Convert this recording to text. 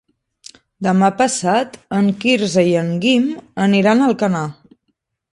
Demà passat en Quirze i en Guim aniran a Alcanar.